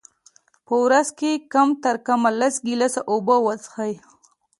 په ورځ کي کم ترکمه لس ګیلاسه اوبه وچیښئ